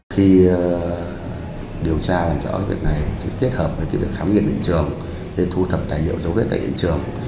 khi điều tra làm rõ việc này thì kết hợp với việc khám nghiệm hiện trường thì thu thập tài liệu dấu vết tại hiện trường